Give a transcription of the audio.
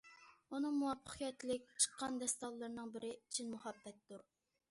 ئۇنىڭ مۇۋەپپەقىيەتلىك چىققان داستانلىرىنىڭ بىرى‹‹ چىن مۇھەببەت›› تۇر.